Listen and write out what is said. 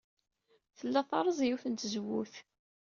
Tella terreẓ yiwet n tzewwut.